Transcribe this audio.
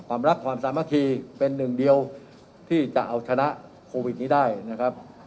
ความรักความสามัคคีเป็นหนึ่งเดียวที่จะเอาชนะโควิดนี้ได้นะครับ